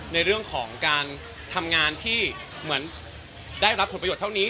ในเรื่องของการทำงานที่เหมือนได้รับผลประโยชนเท่านี้